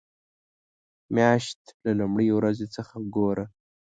مياشت له لومړۍ ورځې څخه ګوره.